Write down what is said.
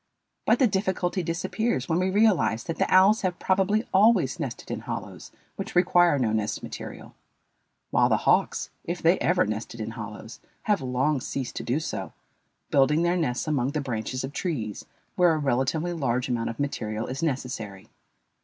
But the difficulty disappears when we realize that the owls have probably always nested in hollows which require no nest material, while the hawks, if they ever nested in hollows, have long ceased to do so, building their nests among the branches of trees, where a relatively large amount of material is necessary.